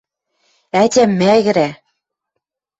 Ӓтям мӓгӹрӓ...